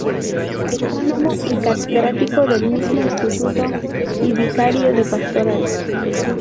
Ecónomo y catedrático del mismo Instituto y vicario de pastoral.